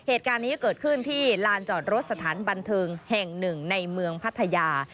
เหตุการณ์นี้เกิดขึ้นที่ลานจอดรถสถานบันเทิงแห่งหนึ่งในเมืองพัทยา